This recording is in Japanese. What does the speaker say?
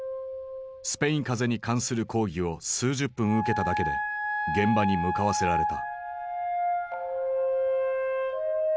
スペイン風邪に関する講義を数十分受けただけで現場に向かわせられた。